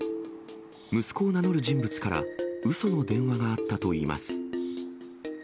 息子を名乗る人物からうその電話があったといいます。